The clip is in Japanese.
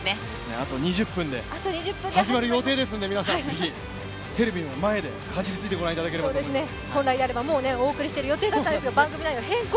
あと２０分で始まる予定ですのでぜひテレビの前で、かじりついてご覧いただければと思います。